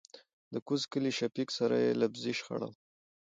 دکوز کلي شفيق سره يې لفظي شخړه وه .